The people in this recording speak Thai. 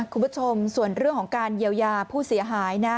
คุณผู้ชมส่วนเรื่องของการเยียวยาผู้เสียหายนะ